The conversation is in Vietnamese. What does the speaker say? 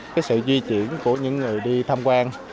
cái sự di chuyển của những người đi tham quan